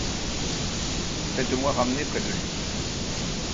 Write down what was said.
Faites-moi ramener près de lui.